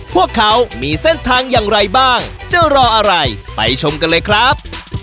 พวกเขามีเส้นทางอย่างไรบ้างจะรออะไรไปชมกันเลยครับ